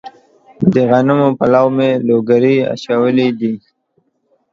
د غنمو په لو مې لوګري اچولي دي.